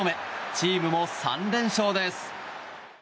チームも３連勝です。